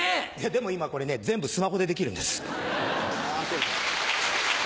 でも今これね全部スマホでできるんです。